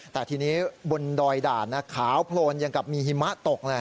แต่ทีนี้บนดอยด่านขาวโพลนอย่างกับมีหิมะตกเลย